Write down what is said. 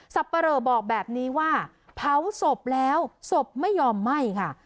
ปะเหลอบอกแบบนี้ว่าเผาศพแล้วศพไม่ยอมไหม้ค่ะ